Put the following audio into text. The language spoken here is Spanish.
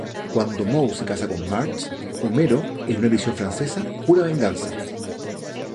Cuando Moe se casa con Marge, Homero, en una prisión francesa, jura venganza.